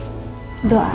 kita pasti duee aslahkan